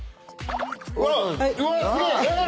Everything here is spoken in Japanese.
うわっ！